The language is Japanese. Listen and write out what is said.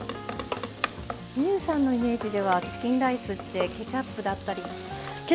望結さんのイメージではチキンライスってケチャップです。